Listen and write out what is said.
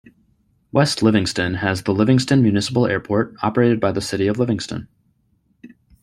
West Livingston has the Livingston Municipal Airport, operated by the City of Livingston.